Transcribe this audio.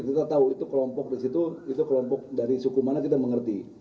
kita tahu itu kelompok dari suku mana kita mengerti